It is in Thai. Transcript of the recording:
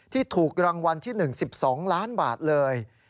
ที่ถูกรางวัลที่๑๑๒ล้านบาทเลย